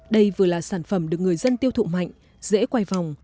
đây vừa là sản phẩm được người dân tiêu thụ mạnh dễ quay vòng